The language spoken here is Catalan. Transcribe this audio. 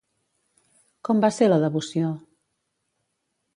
Com va ser la devoció?